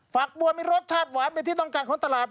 วักบัวมีรสชาติหวานเป็นที่ต้องการของตลาด